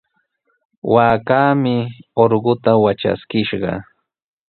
Waakaami urquta watraskishqa.